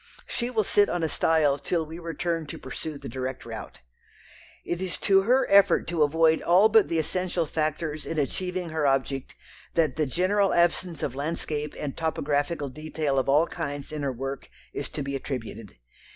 She will sit on a stile till we return to pursue the direct route. It is to her effort to avoid all but the essential factors in achieving her object that the general absence of landscape and topographical detail of all kinds in her work is to be attributed.